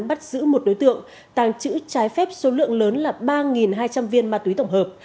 bắt giữ một đối tượng tàng trữ trái phép số lượng lớn là ba hai trăm linh viên ma túy tổng hợp